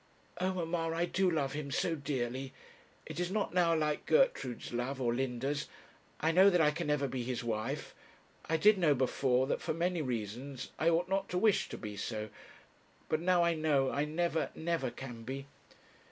Oh, mamma, I do love him so dearly. It is not now like Gertrude's love, or Linda's. I know that I can never be his wife. I did know before, that for many reasons I ought not to wish to be so; but now I know I never, never can be.'